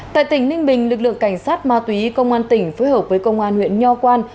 tại tỉnh ninh bình lực lượng cảnh sát ma túy công an tỉnh phối hợp với công an huyện nho quan